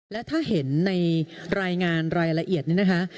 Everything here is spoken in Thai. และถ้าเห็นในรายงานรายละเอียดนี่นะคะ